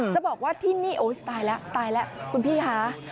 จะบอกว่าที่นี่โอ๊ยตายแล้วตายแล้วคุณพี่คะ